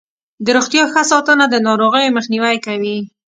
د روغتیا ښه ساتنه د ناروغیو مخنیوی کوي.